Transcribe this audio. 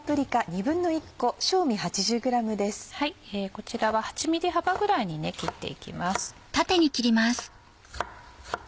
こちらは８ｍｍ幅ぐらいに切っていきます。